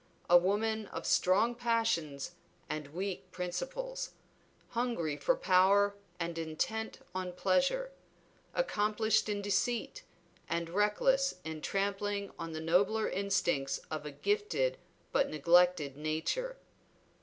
A woman of strong passions and weak principles; hungry for power and intent on pleasure; accomplished in deceit and reckless in trampling on the nobler instincts of a gifted but neglected nature.